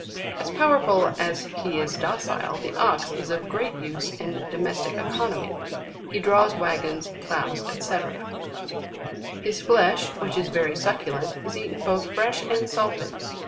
As powerful as he is docile, the Ox is of great use in domestic economy He draws waggons, ploughs, &c. 10. His flesh, which is very succulent, is eaten both fresh and salted.